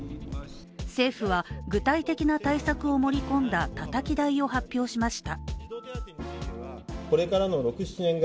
政府は具体的な対策を盛り込んだたたき台を発表しました。